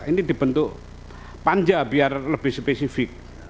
ini dibentuk panja biar lebih spesifik